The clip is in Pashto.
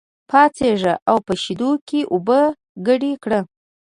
پاڅېږه او په شېدو کې اوبه ګډې کړه.